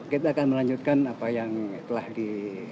kita akan melanjutkan apa yang telah di